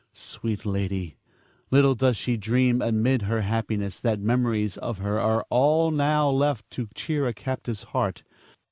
Sweet lady, little does she dream amid her happiness that memories of her are all now left to cheer a captive's heart.